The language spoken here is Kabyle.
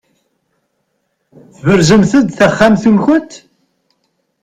Tberzemt-d taxxamt-nkent?